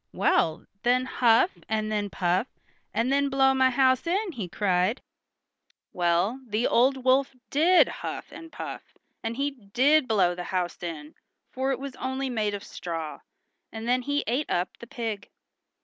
"Well, then huff, and then puff, and then blow my house in!" he cried. Well, the old wolf did huff and puff, and he did blow the house in, for it was only made of straw, and then he ate up the pig.